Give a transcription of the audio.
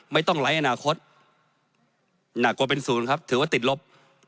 ไม่ต้องไร้อนาคตหนักกว่าเป็นศูนย์ครับถือว่าติดลบ